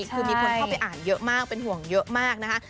คือมีคนเข้าไปอ่านเยอะมากเป็นห่วงเยอะมากนะคะ